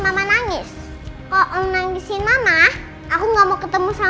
kamu sama reina masuk dulu ya